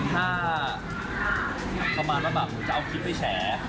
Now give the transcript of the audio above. ถ้าประมาณว่าแบบจะเอาคลิปไปแฉ